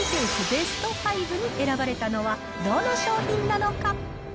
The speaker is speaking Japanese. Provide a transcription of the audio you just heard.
ベスト５に選ばれたのは、どの商品なのか。